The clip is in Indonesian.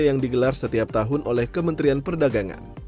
yang digelar setiap tahun oleh kementerian perdagangan